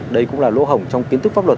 đây cũng là lỗ hỏng trong kiến thức pháp luật